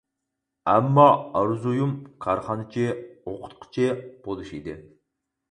ئەمما ئارزۇيۇم كارخانىچى، ئوقۇتقۇچى بولۇش ئىدى.